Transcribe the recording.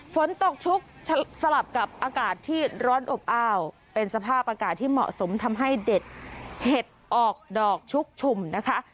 ฝนตกชุกสลับกับอากาศที่ร้อนอบอ้าวเป็นสภาพอากาศที่เหมาะสมทำให้เด็ดเห็ดออกดอกชุกชุมนะคะ